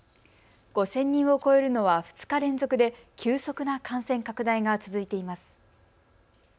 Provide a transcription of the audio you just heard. ５０００人を超えるのは２日連続で急速な感染拡大が続いています。